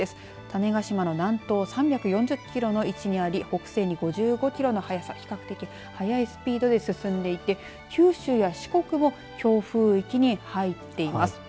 種子島の南東３４０キロの位置にあり北西に５５キロの速さ比較的、速いスピードで進んでいて、九州や四国も強風域に入っています。